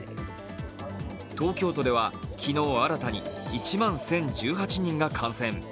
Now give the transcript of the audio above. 東京都では昨日新たに１万１０１８人が感染。